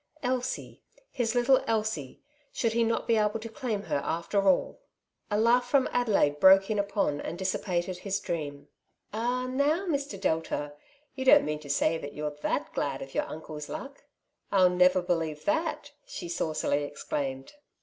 "Elsie, his little Elsie, should he not be able to claim her after all ?" A laugh from Adelaide broke in upon and dis sipated his dream. " Ah, now, Mr. Delta, you don't mean to say that you're that glad of your uncle's luck ? I'll never believe that/' she saucily exclaimed.